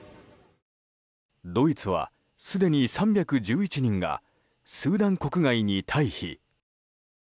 ドイツは、すでに３１１人がスーダン国外に退避。